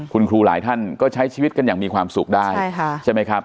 คุณครูหลายท่านก็ใช้ชีวิตกันอย่างมีความสุขได้ใช่ไหมครับ